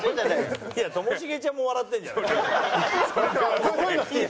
ともしげちゃんも笑ってるじゃない。